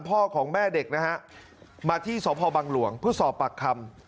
พ่อของแม่เด็กนะฮะมาที่สพบังหลวงเพื่อสอบปากคำ